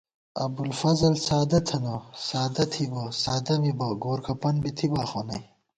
ابُوالفضل سادہ تھنہ، سادہ تھِبہ، سادہ مِبہ گور کھپن بی تھِبا خو نئ